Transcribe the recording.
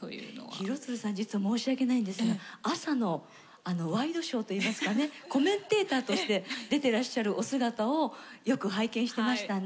廣津留さん実は申し訳ないんですが朝のワイドショーといいますかねコメンテーターとして出てらっしゃるお姿をよく拝見してましたんで。